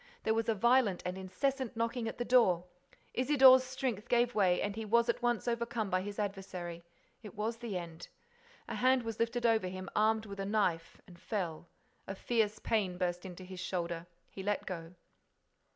There was a violent and incessant knocking at the door. Isidore's strength gave way and he was at once over come by his adversary. It was the end. A hand was lifted over him, armed with a knife, and fell. A fierce pain burst into his shoulder. He let go.